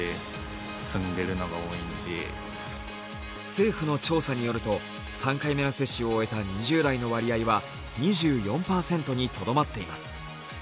政府の調査によると３回目の接種を終えた２０代の割合は２４％にとどまっています。